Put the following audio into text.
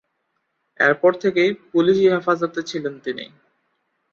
এর পর থেকেই পুলিশি হেফাজতে ছিলেন তিনি।